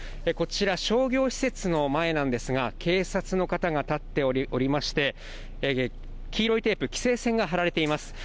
こちら商業施設の前なんですが、警察の方がたっておりまして、黄色いテープ規制線が張られています。